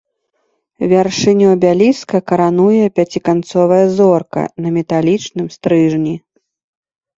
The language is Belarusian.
Вяршыню абеліска карануе пяціканцовая зорка на металічным стрыжні.